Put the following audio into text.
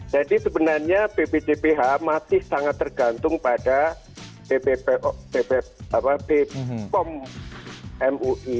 jadi sebenarnya bppbh masih sangat tergantung pada bpom mui